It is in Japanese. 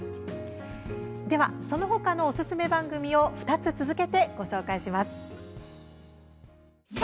では、その他のおすすめ番組を２つ続けてご紹介します。